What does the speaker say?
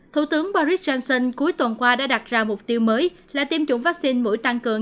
thủ tướng boris johnson cuối tuần qua đã đặt ra mục tiêu mới là tiêm chủng vaccine mũi tăng cường